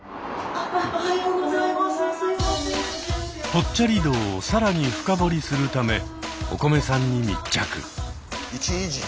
ぽっちゃり道を更に深掘りするためおこめさんに密着。